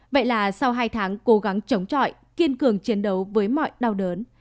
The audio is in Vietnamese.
vậy là sau hai tháng cố gắng chống trọi kiên cường chiến đấu với mọi đau đớn